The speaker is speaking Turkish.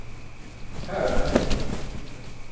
Her an olabilir.